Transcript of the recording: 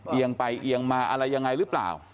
เอียงไปเอียงมาอะไรยังไงหรือเปล่า